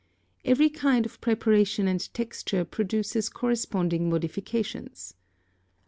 Every kind of preparation and texture produces corresponding modifications.